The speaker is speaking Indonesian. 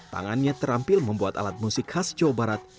tangannya terampil membuat alat musik khas jawa barat